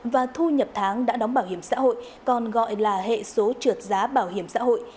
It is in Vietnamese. và thu nhập tháng đã đóng bảo hiểm xã hội còn gọi là hệ số trượt giá bảo hiểm xã hội